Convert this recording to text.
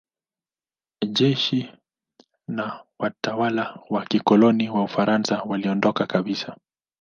Jeshi na watawala wa kikoloni wa Ufaransa waliondoka kabisa.